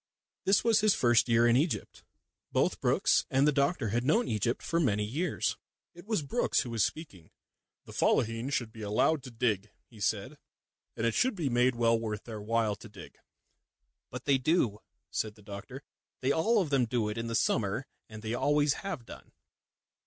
This was his first year in Egypt. Both Brookes and the doctor had known Egypt for many years. It was Brookes who was speaking. "The Fellaheen should be allowed to dig," he said, "and it should be made well worth their while to dig." "But they do," said the doctor. "They all of them do it in the summer, and they always have done."